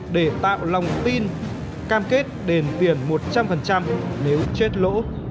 để tạo lòng tin cam kết đền tiền một trăm linh nếu chết lỗ